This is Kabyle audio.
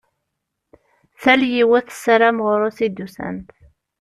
Tal yiwet tessaram ɣur-s i d-usant.